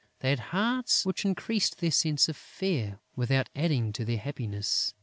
They had hearts which increased their sense of fear, without adding to their happiness.